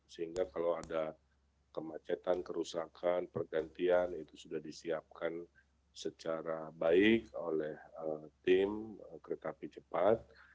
sehingga kalau ada kemacetan kerusakan pergantian itu sudah disiapkan secara baik oleh tim kereta api cepat